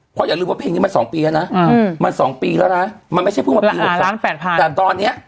เพราะอย่าลืมว่าเพลงนี้มา๒ปีแล้วนะมา๒ปีแล้วนะมันไม่ใช่เพิ่งมาปี๖ปี